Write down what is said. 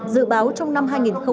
dự báo trong năm hai nghìn hai mươi ba